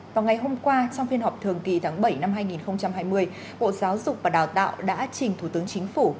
vào ngày hôm qua trong phiên họp thường kỳ tháng bảy năm hai nghìn hai mươi bộ giáo dục và đào tạo đã trình thủ tướng chính phủ